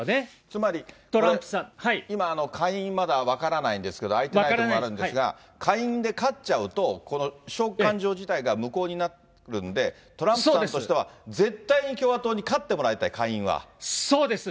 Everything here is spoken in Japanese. つまり、今、下院まだ分からないんですけど、開いてない所もあるんですが、下院で勝っちゃうと、この召喚状自体が無効になるんで、トランプさんとしては、絶対に共和党に勝ってもらいたい、そうです。